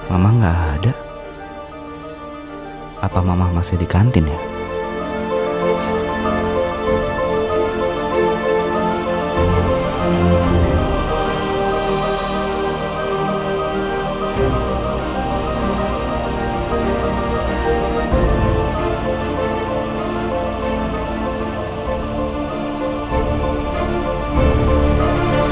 apa adi di balik tirai ini ya